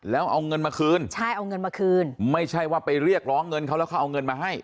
แล้วเอาเงินมาคืนใช่เอาเงินมาคืนไม่ใช่ว่าไปเรียกร้องเงินเขาแล้วเขาเอาเงินมาให้